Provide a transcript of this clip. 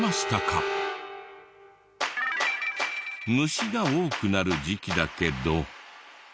虫が多くなる時期だけど。